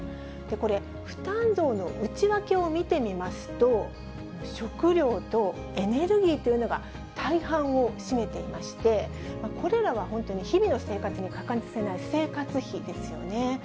これ、負担増の内訳を見てみますと、食料とエネルギーというのが大半を占めていまして、これらは本当に日々の生活に欠かせない生活費ですよね。